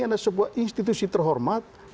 ada sebuah institusi terhormat